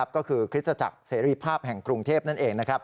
ก็คือคริสตจักรเสรีภาพแห่งกรุงเทพนั่นเอง